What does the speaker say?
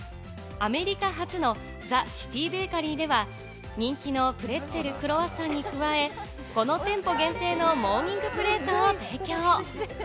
アメリカ発のＴＨＥＣＩＴＹＢＡＫＥＲＹでは人気のプレッツェルクロワッサンに加え、この店舗限定のモーニングプレートを提供。